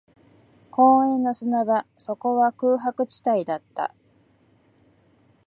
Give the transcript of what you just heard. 公園の砂場、そこは空白地帯だった